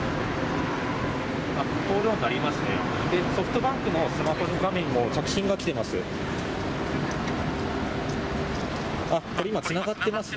ソフトバンクのスマホの画面も着信が来ています。